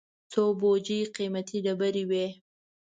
څو بوجۍ قېمتي ډبرې وې.